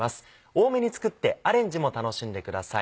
多めに作ってアレンジも楽しんでください。